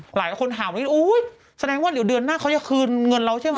หลายคนถามว่าอุ้ยแสดงว่าเดี๋ยวเดือนหน้าเขาจะคืนเงินเราใช่ไหม